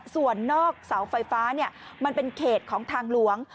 ส่วนนอกเสาไฟฟ้ามันเป็นเขตของทางหลวง